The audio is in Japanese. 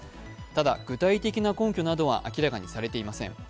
ただ具体的な根拠などは明らかにされていません。